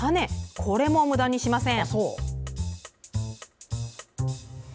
これもむだにしません。